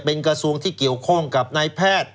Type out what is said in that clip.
เป็นกระทรวงที่เกี่ยวข้องกับนายแพทย์